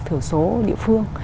thiểu số địa phương